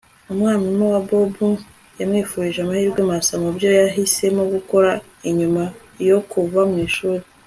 Umwarimu wa Bobo yamwifurije amahirwe masa mubyo yahisemo gukora nyuma yo kuva mwishuri